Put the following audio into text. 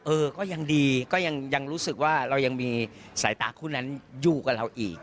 เออก็ยังดีก็ยังรู้สึกว่าเรายังมีสายตาคู่นั้นอยู่กับเราอีก